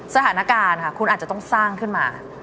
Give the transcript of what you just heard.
สถานการณ์ค่ะคุณอาจจะต้องสร้างขึ้นมา